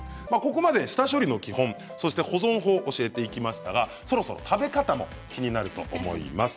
ここまで下処理の基本そして保存法を教えていきましたがそろそろ食べ方も気になると思います。